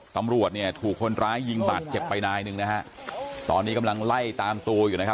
ตำรวจเนี่ยถูกคนร้ายยิงบาดเจ็บไปนายหนึ่งนะฮะตอนนี้กำลังไล่ตามตัวอยู่นะครับ